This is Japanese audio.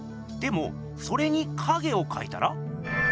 でもそれに影をかいたら？